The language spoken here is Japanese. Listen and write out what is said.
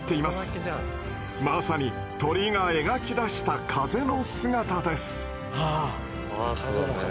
まさに鳥が描き出した風の姿です。